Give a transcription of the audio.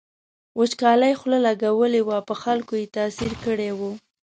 وچکالۍ خوله لګولې وه په خلکو یې تاثیر کړی و.